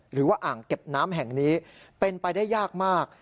หรือว่าอ่างเก็บน้ำแห่งนี้เป็นไปได้ยากมาก